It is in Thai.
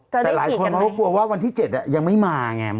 แต่หลายคนเขาก็กลัวว่าวันที่๗ยังไม่มาไง